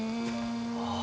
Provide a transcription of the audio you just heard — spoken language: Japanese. ああ。